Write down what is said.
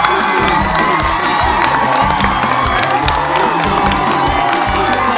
โอเคครับ